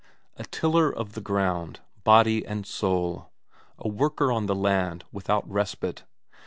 A tiller of the ground, body and soul; a worker on the land without respite.